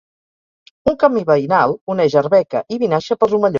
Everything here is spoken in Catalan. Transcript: Un camí veïnal uneix Arbeca i Vinaixa pels Omellons.